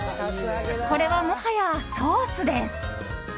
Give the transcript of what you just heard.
これは、もはやソースです。